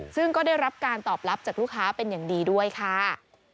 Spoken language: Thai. ซึ่งก็ได้รับการตอบรับจากลูกค้าเป็นอย่างดีด้วยค่ะ